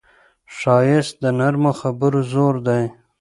ښایست د نرمو خبرو زور دی